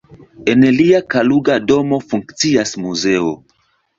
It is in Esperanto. En lia Kaluga domo funkcias muzeo.